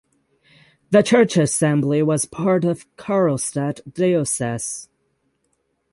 The church assembly was part of Karlstad Diocese.